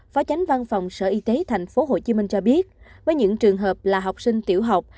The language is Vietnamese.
phó tránh văn phòng sở y tế tp hcm cho biết với những trường hợp là học sinh tiểu học